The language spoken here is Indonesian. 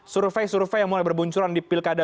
survei survei yang mulai berbuncuran di pilkada